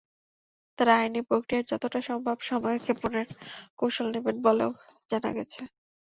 তাঁরা আইনি প্রক্রিয়ায় যতটা সম্ভব সময়ক্ষেপণের কৌশল নেবেন বলেও জানা গেছে।